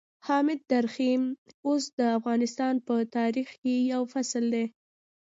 حامد درخيم اوس د افغانستان په تاريخ کې يو فصل دی.